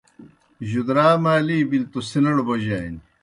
جُدرا مالی بِلیْ تو سِنڑ بوجانیْ